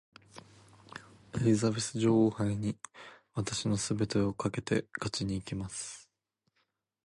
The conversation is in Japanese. エリザベス女王杯に私の全てをかけて勝ちにいきます。